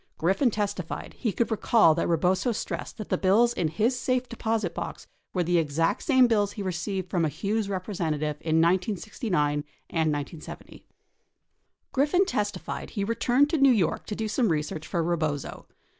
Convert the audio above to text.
Griffin testified he could recall that. Rebozo stressed that the bills in his safe deposit box were the exact same bills he received from a Hughes representative in 1969 and 1970. 31 Griffin testified he returned to New York to do some research for Rebozo.